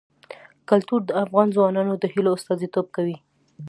کلتور د افغان ځوانانو د هیلو استازیتوب کوي.